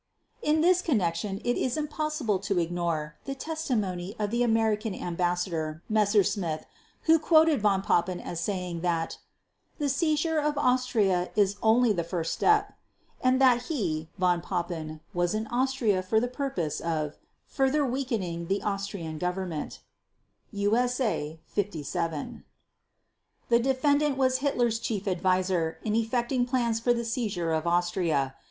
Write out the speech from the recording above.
In this connection it is impossible to ignore the testimony of the American Ambassador Messersmith who quoted Von Papen as saying that "the seizure of Austria is only the first step" and that he, Von Papen, was in Austria for the purpose of "further weakening the Austrian Government" (USA 57). The defendant was Hitler's chief advisor in effecting plans for the seizure of Austria.